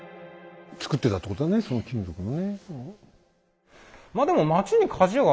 作ってたってことだねその金属のね。